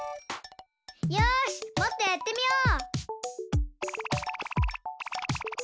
よしもっとやってみよう！